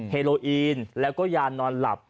เฮโลอีนแล้วก็ยานอนหลับ